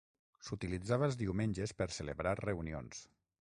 S"utilitzava els diumenges per celebrar reunions.